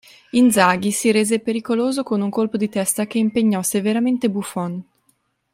Inzaghi si rese pericoloso con un colpo di testa che impegnò severamente Buffon.